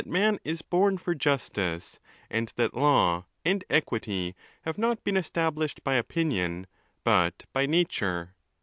man is born for justice, and that law and equity have not been established by opinion, but by nature.